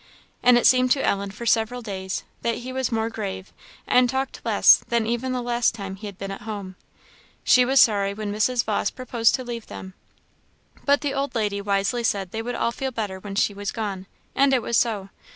And it seemed to Ellen for several days that he was more grave, and talked less, than even the last time he had been at home. She was sorry when Mrs. Vawse proposed to leave them. But the old lady wisely said they would all feel better when she was gone; and it was so.